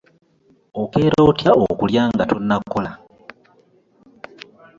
Okeera otya okulya nga tonnakola?